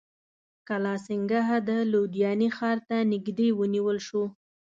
کالاسینګهـ د لودیانې ښار ته نیژدې ونیول شو.